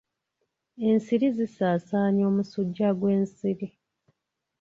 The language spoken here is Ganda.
Ensiri zisaasaanya omusujja gw'ensiri.